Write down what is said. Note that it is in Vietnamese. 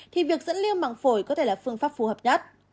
thì việc dẫn lưu măng phổi có thể là phương pháp phù hợp nhất